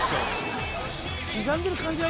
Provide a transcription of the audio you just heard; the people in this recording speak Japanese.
刻んでる感じは